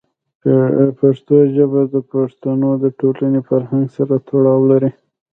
پښتو ژبه د پښتنو د ټولنې فرهنګ سره تړاو لري.